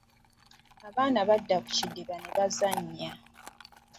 Abaana badda ku kidiba ne bazannya.